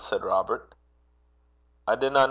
said Robert. 'I dinna ken.